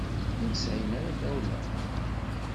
Ur sɛin ara tawla.